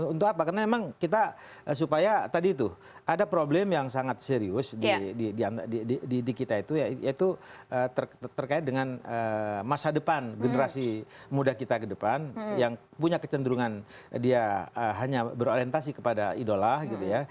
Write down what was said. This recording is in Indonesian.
untuk apa karena memang kita supaya tadi itu ada problem yang sangat serius di kita itu yaitu terkait dengan masa depan generasi muda kita ke depan yang punya kecenderungan dia hanya berorientasi kepada idola gitu ya